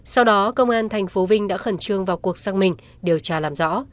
sau đó công an thành phố vinh đã khẩn trương vào cuộc xác minh điều tra làm rõ